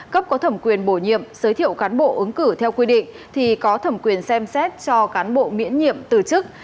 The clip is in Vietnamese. cấp có thẩm quyền bổ nhiệm giới thiệu cán bộ ứng cử theo quy định thì có thẩm quyền xem xét cho cán bộ miễn nhiệm từ chức